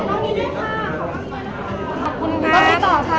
ขอบคุณหนึ่งนะคะขอบคุณหนึ่งนะคะ